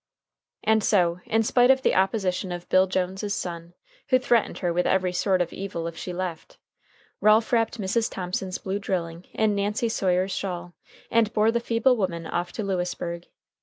And so, in spite of the opposition of Bill Jones's son, who threatened her with every sort of evil if she left, Ralph wrapped Mrs. Thomson's blue drilling in Nancy Sawyer's shawl, and bore the feeble woman off to Lewisburg.